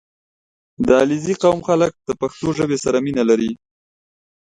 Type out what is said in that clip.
• د علیزي قوم خلک د پښتو ژبې سره مینه لري.